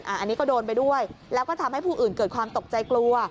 อันนี้ก็โดนไปด้วยแล้วก็ทำให้ผู้อื่นเกิดความตกใจกลัว